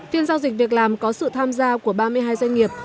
phiên giao dịch việc làm có sự tham gia của ba mươi hai doanh nghiệp